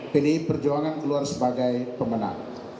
pdi perjuangan keluar sebagai pemenang